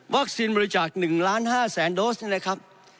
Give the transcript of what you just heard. วัคซีนบริจาค๑๕ล้านโดสนี่เลยครับ